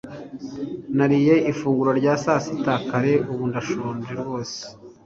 Nariye ifunguro rya sasita kare, ubu ndashonje rwose.